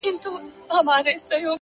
پرمختګ دوامداره حرکت غواړي،